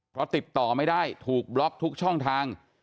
เพราะติดต่อไม่ได้ถูกบล็อกทุกช่องทาง